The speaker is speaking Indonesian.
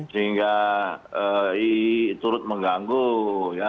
sehingga turut mengganggu ya